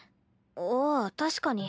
ああ確かに。